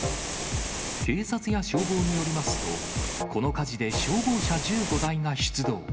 警察や消防によりますと、この火事で消防車１５台が出動。